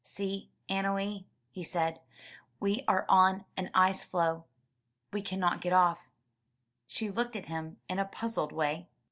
*'See, Annowee,'* he said, *Ve are on an ice floe. We cannot get off.'' She looked at him in a puzzled way.